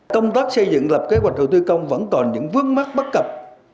công tác xây dựng lập kế hoạch đầu tư công vẫn còn những vướng mắt bất cập